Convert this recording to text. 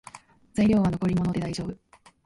材料は残り物でだいじょうぶ